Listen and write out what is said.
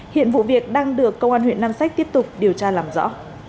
hiện vụ việc đang được công an huyện nam sách tiếp tục điều tra làm rõ